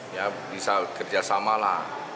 ya bisa kerjasamalah